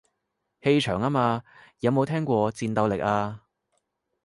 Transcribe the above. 氣場吖嘛，有冇聽過戰鬥力啊